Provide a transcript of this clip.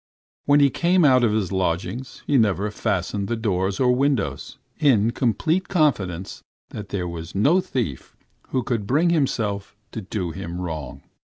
When he came out of his lodging, he never fastened the doors or windows, in complete confidence that there was no thief who could bring himself to do him wrong.